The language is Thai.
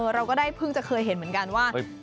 เราก็ได้เพิ่งจะเคยเห็นเหมือนกันว่า